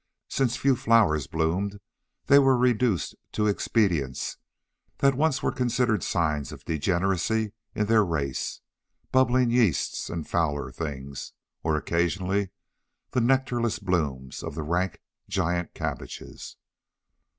Since few flowers bloomed, they were reduced to expedients that once were considered signs of degeneracy in their race: bubbling yeasts and fouler things, or occasionally the nectarless blooms of the rank giant cabbages.